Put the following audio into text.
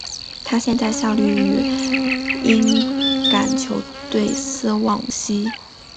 他现在效力于英超球队斯旺西。